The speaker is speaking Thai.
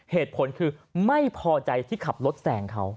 เหตุผลคือไม่พอใจที่ขับรถแสงเขา